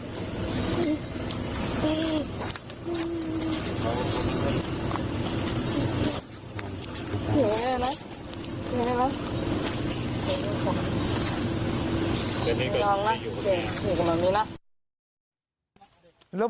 น้องเสียแล้วลูก